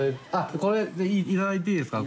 これいただいていいですか？